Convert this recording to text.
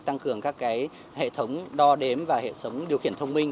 tăng cường các hệ thống đo đếm và hệ thống điều khiển thông minh